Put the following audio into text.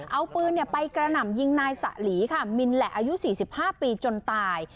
เอาปืนไปกระหน่ำยิงนายสะหลีค่ะมินแหละอายุ๔๕ปีจนตาย